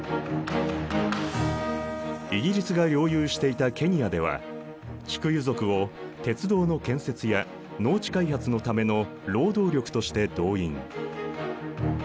イギリスが領有していたケニアではキクユ族を鉄道の建設や農地開発のための労働力として動員。